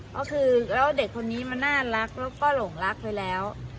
ก็คือแล้วเด็กคนนี้มันน่ารักแล้วก็หลงรักไปแล้ว